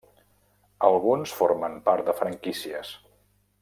Alguns formen part de franquícies.